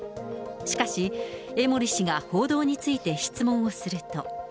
しかし、江森氏が報道について質問をすると。